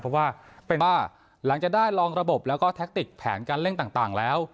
เพราะว่าเป็นว่าหลังจากได้ลองระบบแล้วก็แท็กติกแผนการเล่นต่างแล้ว